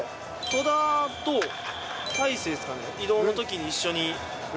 戸田と大勢さんと移動のときに一緒に。